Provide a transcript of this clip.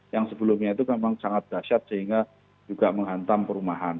yang sebelumnya itu memang sangat dahsyat sehingga juga menghantam perumahan